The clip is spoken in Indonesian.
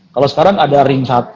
kalau sekarang ada ring satu